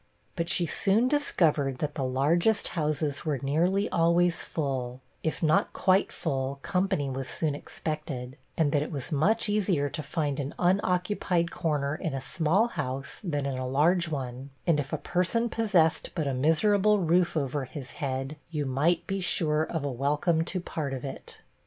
But she soon discovered that the largest houses were nearly always full; if not quite full, company was soon expected; and that it was much easier to find an unoccupied corner in a small house than in a large one; and if a person possessed but a miserable roof over his head, you might be sure of a welcome to part of it.